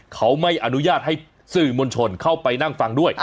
เขาไม่อนุญาตให้สื่อมวลชนเข้าไปนั่งฟังด้วย